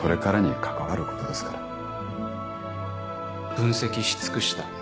分析し尽くした。